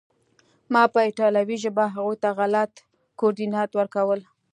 ما به په ایټالوي ژبه هغوی ته غلط کوردینات ورکول